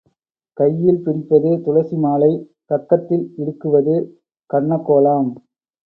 கையில் பிடிப்பது துளசி மாலை, கக்கத்தில் இடுக்குவது கன்னக்கோலாம்.